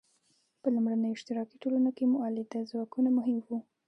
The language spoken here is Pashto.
په لومړنیو اشتراکي ټولنو کې مؤلده ځواکونه مهم وو.